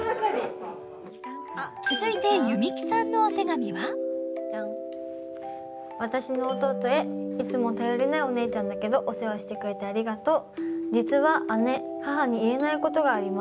続いて弓木さんのお手紙は「私の弟へいつも頼りないお姉ちゃんだけど」「お世話してくれてありがとう」